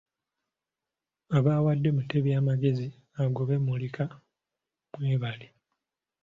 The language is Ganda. Abawadde Mutebi amagezi agobe Muliika mwebale!